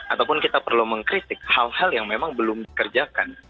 ataupun kita perlu mengkritik hal hal yang memang belum dikerjakan